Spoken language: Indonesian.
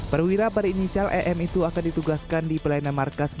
perwira berinisial em itu akan ditugaskan di pelayanan markas